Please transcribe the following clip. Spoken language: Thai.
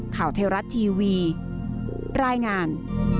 ข่าวไทยรัฐทีวีรายงาน